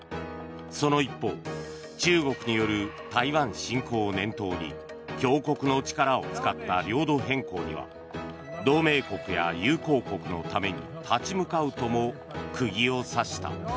その一方中国による台湾進攻を念頭に強国の力を使った領土変更には同盟国や友好国のために立ち向かうとも釘を刺した。